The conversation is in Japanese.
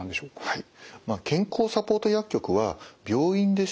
はい。